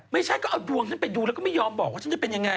ไม่ใช่ก็เอาดวงฉันไปดูแล้วก็ไม่ยอมบอกว่าฉันจะเป็นยังไง